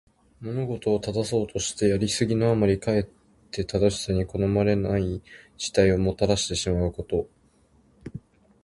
物事を正そうとして、やりすぎのあまりかえって新たに好ましくない事態をもたらしてしまうこと。「枉れるを矯めて直きに過ぐ」とも読む。